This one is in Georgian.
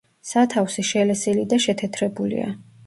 სათავსი შელესილი და შეთეთრებულია.